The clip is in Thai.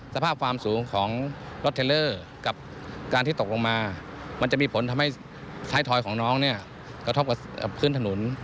สภาพความสูงของรถเทลเลอร์กับการที่ตกลงมามันจะมีผลทำให้ท้ายทอยของน้องเนี่ยกระทบกับพื้นถนน